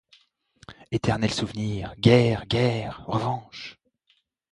Eternel souvenir ! Guerre ! guerre ! Revanche !